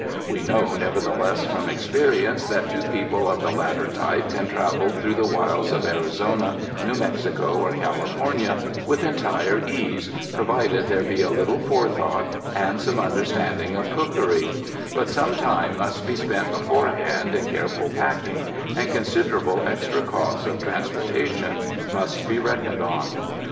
We know, nevertheless, from experience that two people of the latter type can travel through the wilds of Arizona, New Mexico or California with entire ease, provided there be a little forethought and some understanding of cookery ; but some time must be spent beforehand in careful packing, and considerable extra cost of transportation must be rockoned on.